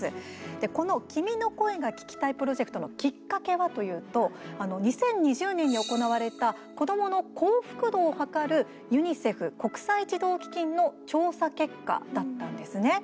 この「君の声が聴きたい」プロジェクトのきっかけはというと、２０２０年に行われた子どもの幸福度をはかるユニセフ＝国際児童基金の調査結果だったんですね。